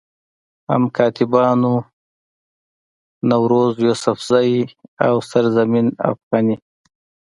هم کاتبانو نوروز يوسفزئ، او سرزمين افغاني